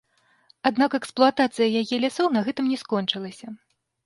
Аднак эксплуатацыя яе лясоў на гэтым не скончылася.